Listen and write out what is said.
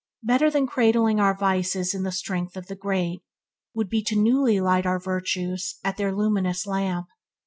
Better than cradling our vices in the strength of the great would it be to newly light our virtues at their luminous lamp.